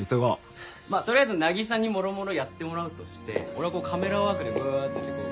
まあとりあえずなぎさにもろもろやってもらうとして俺はこうカメラワークでグーッてやってこう。